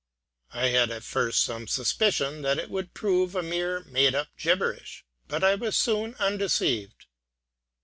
I had at first some suspicion that it would prove a mere made up gibberish; but I was soon undeceived.